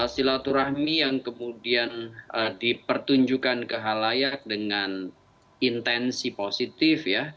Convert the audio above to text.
silaturahmi yang kemudian dipertunjukkan ke halayak dengan intensi positif ya